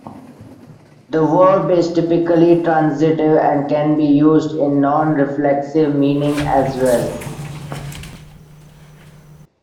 The verb is typically transitive and can be used in non-reflexive meaning as well.